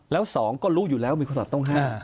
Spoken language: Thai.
แล้วสองก็รู้อยู่แล้วมีคุณศัพทร์ต้องห้าม